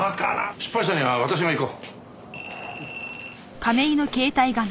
出版社には私が行こう。